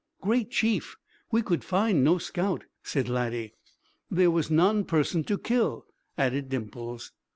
"Great Chief, we could find no scout," said Laddie. "There was none person to kill," added Dimples.